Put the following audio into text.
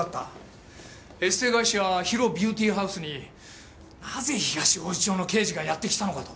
エステ会社ＨＩＲＯビューティーハウスになぜ東王子署の刑事がやって来たのかと。